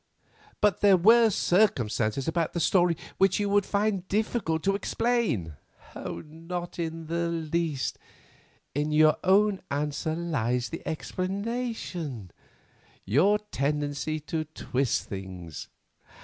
But there were circumstances about the story which you would find difficult to explain." "Not in the least. In your own answer lies the explanation—your tendency to twist things.